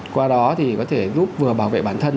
qua đó thì có thể giúp vừa bảo vệ bản thân